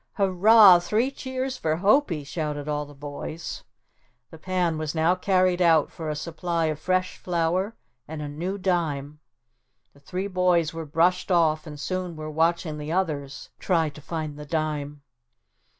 "Hurrah; three cheers for Hopie," shouted all the boys. The pan was now carried out for a supply of fresh flour and a new dime. The three boys were brushed off and soon were watching the others trying to find the dime.